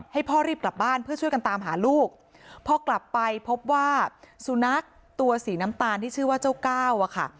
ให้พ่อรีบกลับบ้านเพื่อช่วยกันตามหาลูกพอกลับไปพบว่าสุนัขตัวสีน้ำตาลที่ชื่อว่าเจ้าก้าวอะค่ะ